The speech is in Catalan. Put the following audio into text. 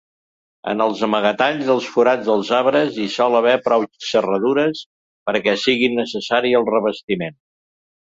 En els amagatalls als forats dels arbres hi sol haver prou serradures perquè sigui innecessari el revestiment.